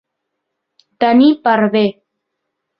Tenir per bé.